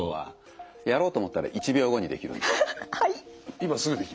今すぐできる。